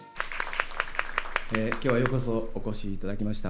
今日はようこそお越しいただきました。